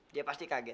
dia pasti kaget